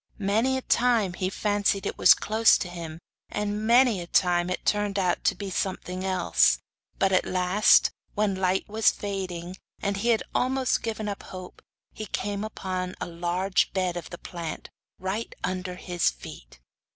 Many time he fancied it was close to him, and many times it turned out to be something else; but, at last, when light was fading, and he had almost given up hope, he came upon a large bed of the plant, right under his feet!